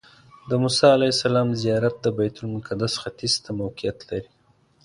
د موسی علیه السلام زیارت د بیت المقدس ختیځ ته موقعیت لري.